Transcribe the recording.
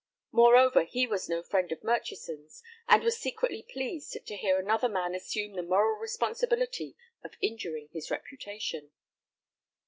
Moreover, he was no friend of Murchison's, and was secretly pleased to hear another man assume the moral responsibility of injuring his reputation.